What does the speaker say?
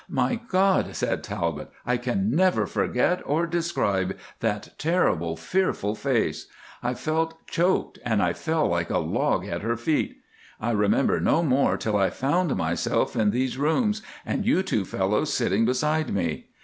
"My God," said Talbot, "I can never forget or describe that terrible, fearful face. I felt choked, and I fell like a log at her feet. I remember no more till I found myself in these rooms, and you two fellows sitting beside me.